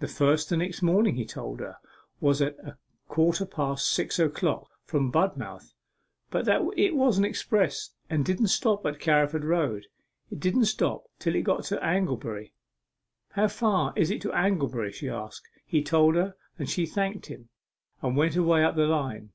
The first the next morning, he told her, was at a quarter past six o'clock from Budmouth, but that it was express, and didn't stop at Carriford Road it didn't stop till it got to Anglebury. "How far is it to Anglebury?" she said. He told her, and she thanked him, and went away up the line.